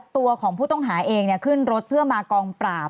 ตัวของผู้ต้องหาเองขึ้นรถเพื่อมากองปราบ